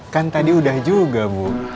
kan tadi udah juga bu